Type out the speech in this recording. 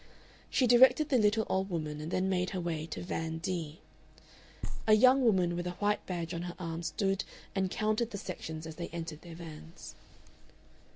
She directed the little old woman and then made her way to van D. A young woman with a white badge on her arm stood and counted the sections as they entered their vans.